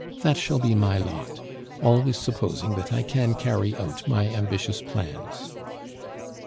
That shall be my lot, always supposing that I can carry out my ambitious plans.